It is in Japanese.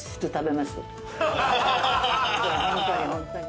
ホントにホントに。